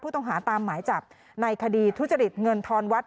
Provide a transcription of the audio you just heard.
ต้องหาตามหมายจับในคดีทุจริตเงินทอนวัด